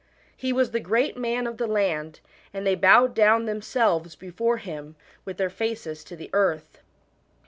He was the great man of the land, and they bowed down themselves before him with their face? to the earth.